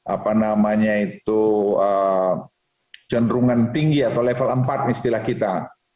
apa namanya itu cenderungan tinggi atau level empat istilah kita